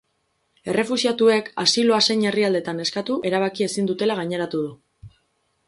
Errefuxiatuek asiloa zein herrialdetan eskatu erabaki ezin dutela gaineratu du.